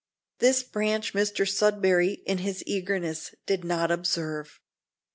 This branch Mr Sudberry, in his eagerness, did not observe.